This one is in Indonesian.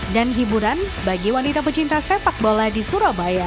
dan hiburan bagi wanita pecinta sepak bola di surabaya